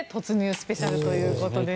スペシャルということですね。